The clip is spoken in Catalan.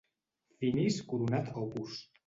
Finis coronat opus.